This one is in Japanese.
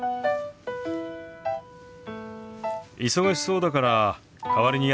忙しそうだから代わりにやっといたよ。